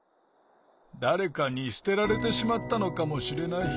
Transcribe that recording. だれかにすてられてしまったのかもしれない。